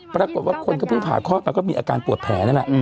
ปรากฏว่าคนก็เพิ่งผ่าคลอดมาก็มีอาการปวดแผลนั่นแหละ